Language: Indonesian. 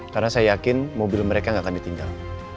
karena saya yakin mobil mereka gak akan ditinggal